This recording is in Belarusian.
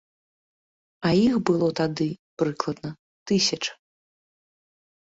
А іх было тады, прыкладна, тысяча.